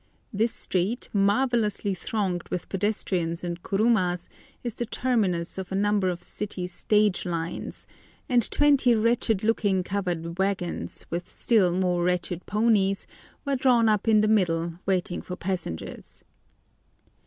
This street, marvellously thronged with pedestrians and kurumas, is the terminus of a number of city "stage lines," and twenty wretched looking covered waggons, with still more wretched ponies, were drawn up in the middle, waiting for passengers.